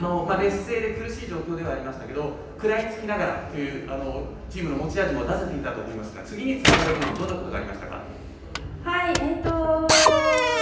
劣勢で苦しい状況でしたけど食らいつきながらというチームの持ち味も出せていたと思いますが次につながる部分どんなところがありましたか。